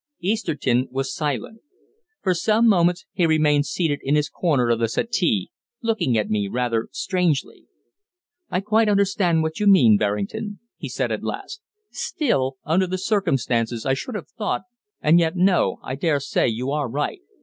Easterton was silent. For some moments he remained seated in his corner of the settee, looking at me rather strangely. "I quite understand what you mean, Berrington," he said at last. "Still, under the circumstances I should have thought and yet no, I dare say you are right.